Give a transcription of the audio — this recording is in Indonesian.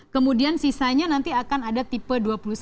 kemudian sisanya nanti akan ada tipe dua puluh satu